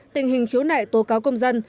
tình hình khiếu nại tố cáo công dân